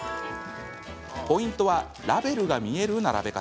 ポイントはラベルが見える並べ方。